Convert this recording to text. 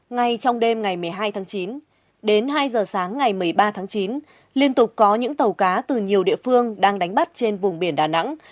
ngay trong đêm ngày một mươi hai tháng chín đến hai giờ sáng ngày một mươi ba tháng chín liên tục có những tàu cá từ nhiều địa phương đang đánh bắt trên vùng biển đà nẵng